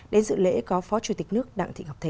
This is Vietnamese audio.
đến dự lễ có phó chủ tịch nước đặng thị ngọc thịnh